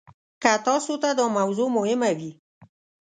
که تاسو ته دا موضوع مهمه وي.